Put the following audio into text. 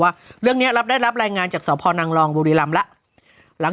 ว่าเรื่องนี้ได้รับรายงานจากสพนังรองบุรีรำแล้ว